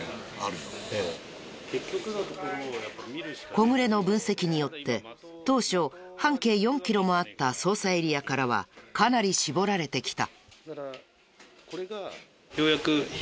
小暮の分析によって当初半径４キロもあった捜査エリアからはかなり絞られてきた。